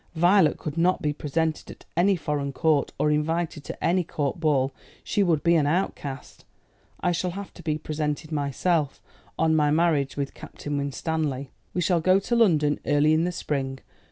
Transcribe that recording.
Violet could not be presented at any foreign court, or invited to any court ball. She would be an outcast. I shall have to be presented myself, on my marriage with Captain Winstanley. We shall go to London early in the spring.